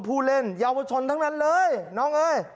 ผู้เล่นเยาวชนทั้งนั้นเลยน้องเอ้ย